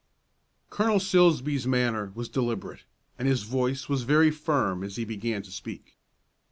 Colonel Silsbee's manner was deliberate, and his voice was very firm as he began to speak.